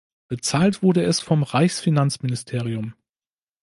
Bezahlt wurde es vom Reichsfinanzministerium.